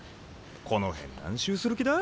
この辺何周する気だ？